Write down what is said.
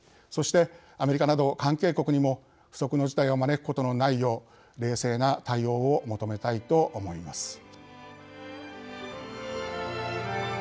そして、アメリカなど関係国にも不測の事態を招くことのないよう冷静な対応を求めたいと思います。